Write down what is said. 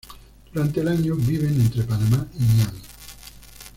Durante el año, viven entre Panamá y Miami.